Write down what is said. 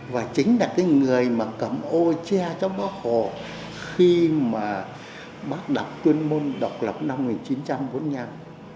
và chính là cái người mà cầm ô che trong bắc hồ khi mà bắt đập tuyên môn độc lập năm một nghìn chín trăm bốn mươi năm